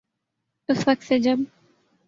اس وقت سے جب